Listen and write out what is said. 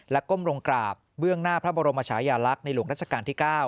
ก้มลงกราบเบื้องหน้าพระบรมชายาลักษณ์ในหลวงรัชกาลที่๙